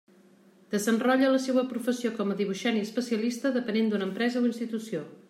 Desenrotlla la seua professió com a dibuixant i especialista dependent d'una empresa o institució.